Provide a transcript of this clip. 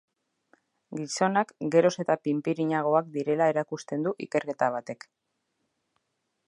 Gizonak geroz eta pinpirinagoak direla erakusten du ikerketa batek.